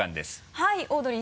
はい。